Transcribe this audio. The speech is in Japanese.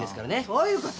そういう事。